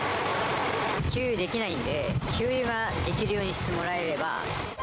給油できないんで、給油ができるようにしてもらえれば。